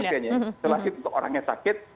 isolasi untuk orang yang sakit